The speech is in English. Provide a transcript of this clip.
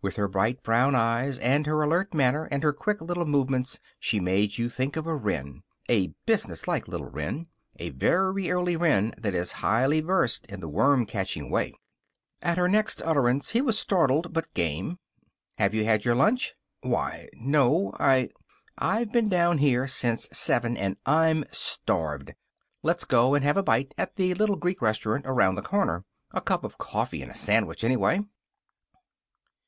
With her bright brown eyes and her alert manner and her quick little movements she made you think of a wren a businesslike little wren a very early wren that is highly versed in the worm catching way. At her next utterance he was startled but game. "Have you had your lunch?" "Why, no; I " "I've been down here since seven, and I'm starved. Let's go and have a bite at the little Greek restaurant around the corner. A cup of coffee and a sandwich, anyway."